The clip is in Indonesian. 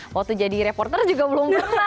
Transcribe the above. waktu jadi reporter juga belum pernah